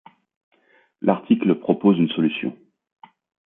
L'article propose une solution.